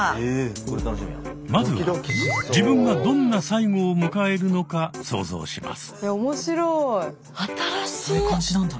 まずは自分がどんな最期を迎えるのか想像します。